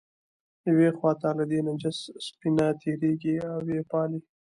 یو خو ته له دې نجس سپي نه تېرېږې او یې پالې.